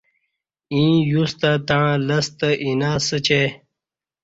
ییں یوستہ تݩع لستہ اینہ اسہ چہ